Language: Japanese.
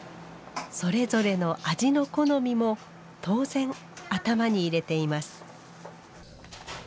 それぞれの味の好みも当然頭に入れています